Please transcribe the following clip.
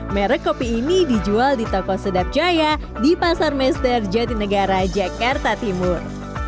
merek kopi ini dijual di toko sedap jaya di pasar mester jatinegara jakarta timur